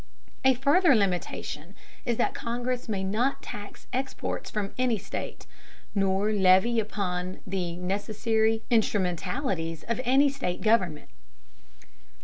A further limitation is that Congress may not tax exports from any state, nor levy upon the "necessary instrumentalities" of any state government.